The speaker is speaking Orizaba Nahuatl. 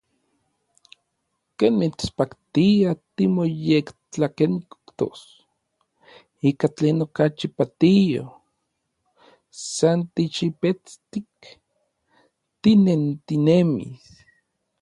Ken mitspaktia timoyektlakentos ika tlen okachi patio, san tixipestik tinentinemis.